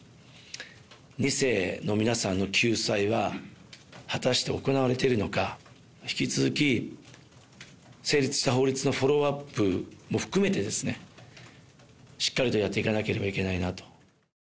２世の皆さんの救済は、果たして行われているのか、引き続き成立した法律のフォローアップも含めて、しっかりとやっていかなければいけないなと。